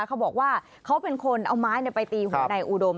เขาบอกว่าเขาเป็นคนเอาไม้ไปตีหัวนายอุดม